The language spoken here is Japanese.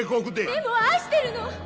でも愛してるの！